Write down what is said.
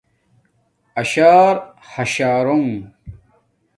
اشارہاشارونݣ